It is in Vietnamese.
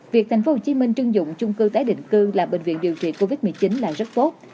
việc thành phố hồ chí minh trưng dụng chung cư tái định cư làm bệnh viện điều trị covid một mươi chín là rất tốt